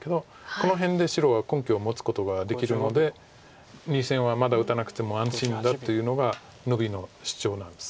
この辺で白が根拠を持つことができるので２線はまだ打たなくても安心だというのがノビの主張なんです。